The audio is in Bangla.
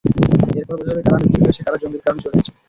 এরপর বোঝা যাবে কারা মিসিং হয়েছে, কারা জঙ্গির কারণে চলে গেছে।